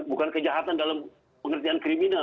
bukan kejahatan dalam pengertian kriminal